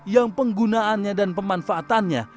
yang penggunaannya dan pemanfaatannya